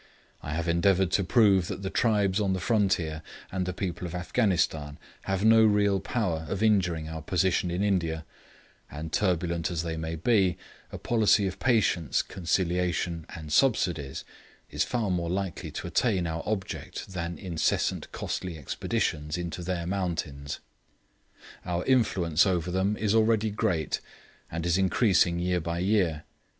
I have endeavoured to prove that the tribes on the frontier, and the people of Afghanistan, have no real power of injuring our position in India; and turbulent as they may be, a policy of patience, conciliation, and subsidies, is far more likely to attain our object than incessant costly expeditions into their mountains. Our influence over them is already great, and is increasing year by year.